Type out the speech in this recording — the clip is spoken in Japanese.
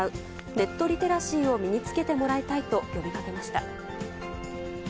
ネットリテラシーを身につけてもらいたいと呼びかけました。